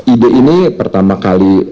ide ini pertama kali